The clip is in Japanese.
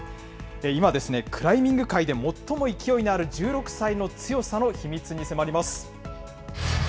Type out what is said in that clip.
今、クライミング界で最も勢いのある１６歳の強さの秘密に迫ります。